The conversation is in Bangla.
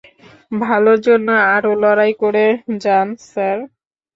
ভালোর জন্য আরো লড়াই করে যান, স্যার।